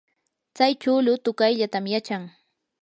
tsay chuulu tuqayllatam yachan.